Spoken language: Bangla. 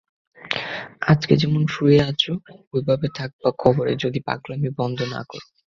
আজকে যেমনে শুয়া আছো, এইভাবেই থাকবা কবরে, যদি পাগলামি বন্ধ না করো।